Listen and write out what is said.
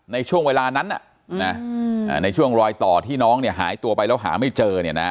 ในช่วงเวลานั้นในช่วงรอยต่อที่น้องหายตัวไปแล้วหาไม่เจอ